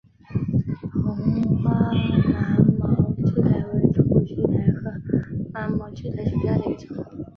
红花芒毛苣苔为苦苣苔科芒毛苣苔属下的一个种。